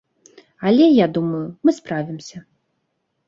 Але, я думаю, мы справімся.